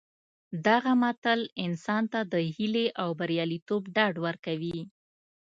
دغه متل انسان ته د هیلې او بریالیتوب ډاډ ورکوي